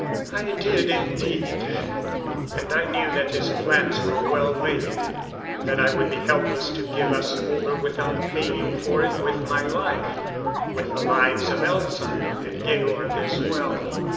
I did, indeed. And I knew that his plans were well laid that I would be helpless to give us over without paying for it with my life with the lives of Elza and Georg as well.